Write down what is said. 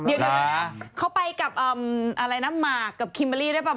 เดี๋ยวเขาไปกับมาร์คกับคิมเบอร์รีด้วยเปล่า